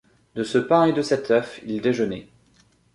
De ce pain et de cet œuf, il déjeunait.